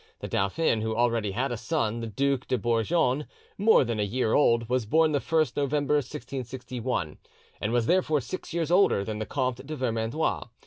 The dauphin, who already had a son, the Duc de Bourgogne, more than a year old, was born the 1st November 1661, and was therefore six years older than the Comte de Vermandois.